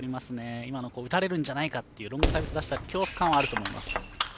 今、打たれるんじゃないかとロングサービス出したら恐怖感はあると思います。